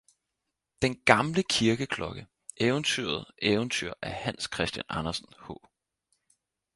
Den gamle kirkeklokke eventyret eventyr af hans christian andersen h